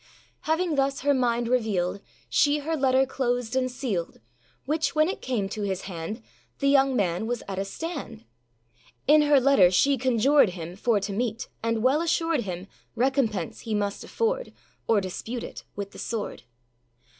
â Having thus her mind revealed, She her letter closed and sealed; Which, when it came to his hand, The young man was at a stand. In her letter she conjured him For to meet, and well assured him, Recompence he must afford, Or dispute it with the sword.